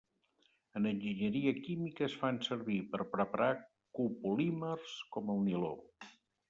En enginyeria química es fan servir per preparar copolímers com el niló.